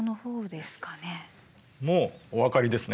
もうお分かりですね。